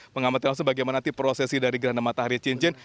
mengamati langsung bagaimana prosesi dari geram antar cincin